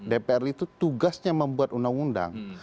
dpr itu tugasnya membuat undang undang